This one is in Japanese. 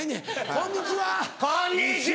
こんにちは！